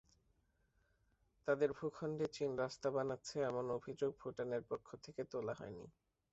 তাদের ভূখণ্ডে চীন রাস্তা বানাচ্ছে এমন অভিযোগ ভুটানের পক্ষ থেকে তোলা হয়নি।